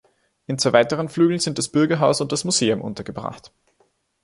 In zwei weiteren Flügeln sind das Bürgerhaus und das Museum untergebracht.